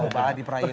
bapak adi prajitno